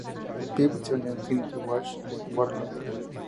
Pip se unió al Infinity Watch de Warlock.